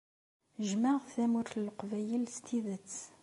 Jjmeɣ Tamurt n Leqbayel s tidet.